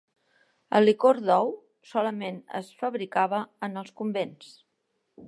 El licor d'ou solament es fabricava en els convents.